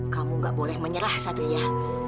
kamu gak boleh menyerah satria